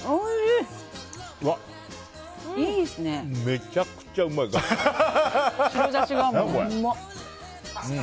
めちゃくちゃうまい、がんも。